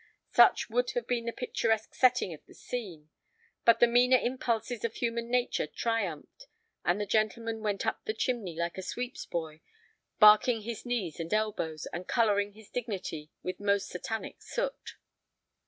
Such should have been the picturesque setting of the scene, but the meaner impulses of human nature triumphed, and the gentleman Went up the chimney like any sweep's boy, barking his knees and elbows, and coloring his dignity with most satanic soot.